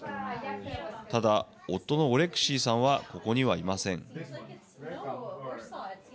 ただ、夫のオレクシイさんはここにはいません。